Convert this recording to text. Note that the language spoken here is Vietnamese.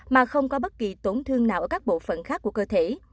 mà không có bất kỳ tổn thương nào ở các bộ phận khác của cơ thể